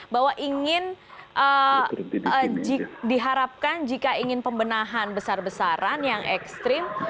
bahwa ingin diharapkan jika ingin pembenahan besar besaran yang ekstrim